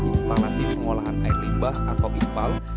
instalasi pengolahan air limbah atau ipal